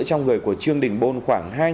trong người của trương đình bôn khoảng